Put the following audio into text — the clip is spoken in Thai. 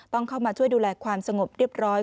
ต้องเข้ามาช่วยดูแลความสงบเรียบร้อย